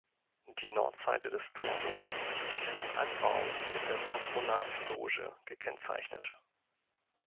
Die Nordseite des Turmes ist durch einen Anbau mit der Patronatsloge gekennzeichnet.